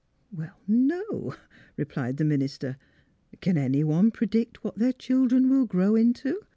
" Well, no," replied the minister. " Can any one predict what their children will grow into?